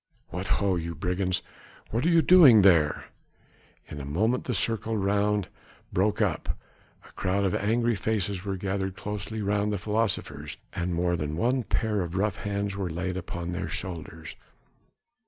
"What ho! you brigands, what are you doing there?" In a moment the circle around broke up. A crowd of angry faces were gathered closely round the philosophers, and more than one pair of rough hands were laid upon their shoulders.